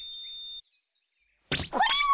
これは！